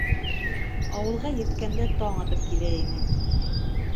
Ауылға еткәндә таң атып килә ине.